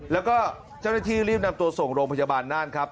แล้วก็เจ้าหน้าที่รีบนำตัวส่งโรงพยาบาลน่านครับ